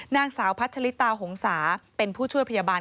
นางสาวพัชลิตาหงษาเป็นผู้ช่วยพยาบาล